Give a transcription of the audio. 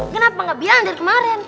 kenapa nggak biar dari kemarin